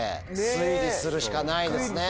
推理するしかないですね。